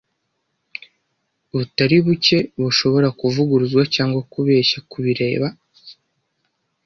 butari buke bushobora kuvuguruzwa cyangwa kubeshya kubireba.